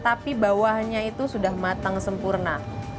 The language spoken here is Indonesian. tapi bawahnya itu sudah matang sempurna